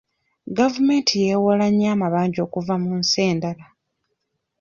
Gavumenti yeewola nnyo amabanja okuva mu nsi endala.